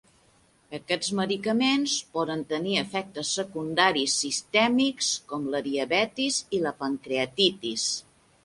Aquests medicaments poden tenir efectes secundaris sistèmics com la diabetis i la pancreatitis.